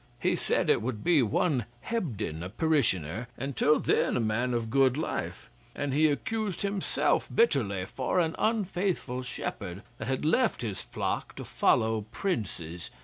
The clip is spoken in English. He said it would be one Hebden, a parishioner, and till then a man of good life; and he accused himself bitterly for an unfaithful shepherd, that had left his flock to follow princes.